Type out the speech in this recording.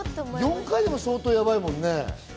４回も相当やばいもんね。